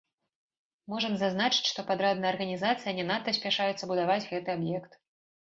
Можам зазначыць, што падрадная арганізацыя не надта спяшаецца будаваць гэты аб'ект.